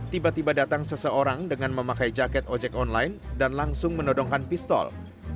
tiba tiba datang seseorang dengan memakai jaket ojek online dan langsung menodongkan pistol